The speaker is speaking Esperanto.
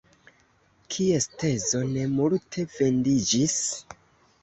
Kies tezo ne multe vendiĝis?